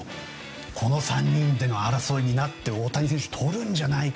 この３人での争いになって大谷選手とるんじゃないか？